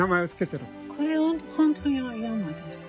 これは本当の山ですか？